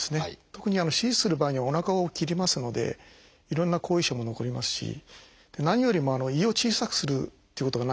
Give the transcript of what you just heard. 特に手術する場合にはおなかを切りますのでいろんな後遺症も残りますし何よりも胃を小さくするということがないわけですね。